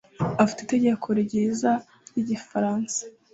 afite itegeko ryiza ryigifaransa?